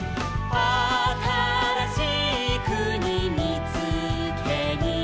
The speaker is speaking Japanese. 「あたらしいくにみつけに」